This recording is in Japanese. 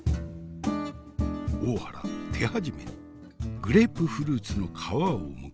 大原手始めにグレープフルーツの皮をむく。